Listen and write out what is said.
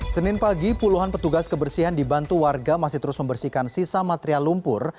senin pagi puluhan petugas kebersihan dibantu warga masih terus membersihkan sisa material lumpur